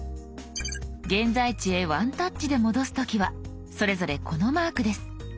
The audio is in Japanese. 現在地へワンタッチで戻す時はそれぞれこのマークです。